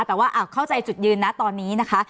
แต่ว่าเข้าใจจุดยืนนะตอนนี้นะคะ